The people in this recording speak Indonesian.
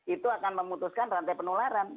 itu akan memutuskan rantai penularan